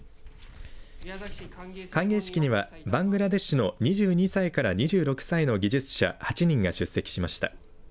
歓迎式にはバングラデシュの２２歳から２６歳の技術者８人が出席しました。